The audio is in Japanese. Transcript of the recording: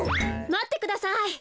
まってください。